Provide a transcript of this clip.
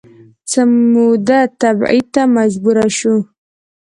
څه موده تبعید ته مجبور شو